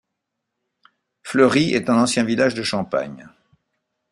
Fleury est un ancien village de Champagne.